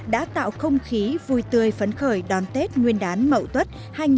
đã tạo không khí vui tươi phấn khởi đón tết nguyên đán mậu tuất hai nghìn một mươi tám